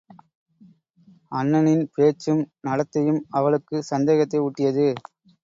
அண்ணனின் பேச்சும் நடத்தையும் அவளுக்கு சந்தேகத்தை ஊட்டியது.